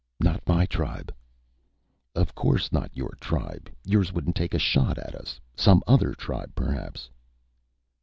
"Not my tribe." "Of course not your tribe. Yours wouldn't take a shot at us. Some other tribe, perhaps?"